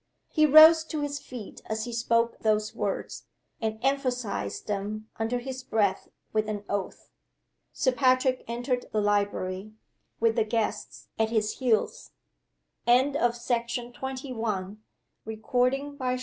He rose to his feet as he spoke those words, and emphasized them under his breath with an oath. Sir Patrick entered the library, with the guests at his heels. CHAPTER THE NINETEENTH. CLOSE ON IT.